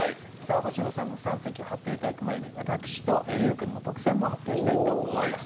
星野さんの三席を発表頂く前に私と優君の特選も発表したいと思います。